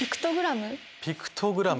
「ピクトグラム」